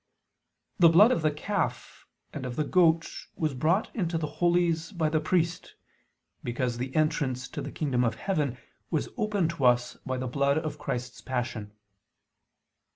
The blood of the calf and of the goat was brought into the Holies by the priest, because the entrance to the kingdom of heaven was opened to us by the blood of Christ's Passion.